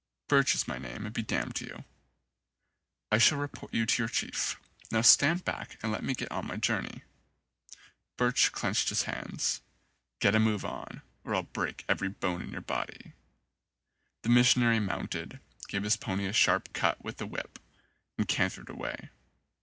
"Birch is my name and be damned to you." "I shall report you to your chief. Now stand back and let me get on my journey." 92 GOD'S TEUTH Birch clenched his hands. "Get a move on or I'll break every bone in your body." The missionary mounted, gave his pony a sharp cut with the whip, and cantered away.